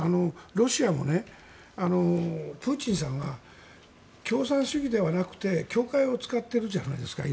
ロシアもプーチンさんは共産主義ではなくて教会を使っているじゃないですか。